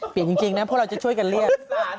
เปลี่ยนจริงนะพวกเราจะช่วยกันเรียก